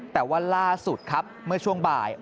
แต่ว่าล่าสุดครับเมื่อช่วงบ่าย